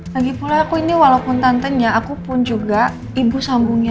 lagipula aku ini walaupun tantenya aku pun juga ibu sambungnya rena